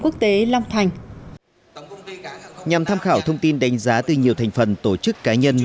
quốc tế long thành nhằm tham khảo thông tin đánh giá từ nhiều thành phần tổ chức cá nhân